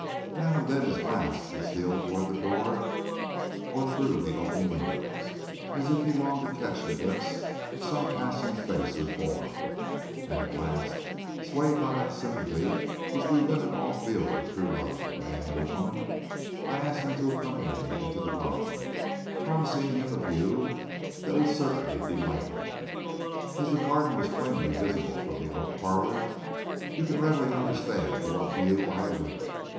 Now and then his glance would steal toward the door or through the open windows, as if he longed to catch a glimpse of some passing face or form; and at last, swayed by that sympathy which we women all feel for true love in man or woman, I asked him to accompany me into the garden, promising him a view that would certainly delight him. As the garden was plainly visible from the oak parlor, you can readily understand to what view I alluded.